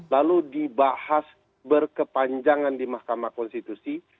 lalu dibahas berkepanjangan di mahkamah konstitusi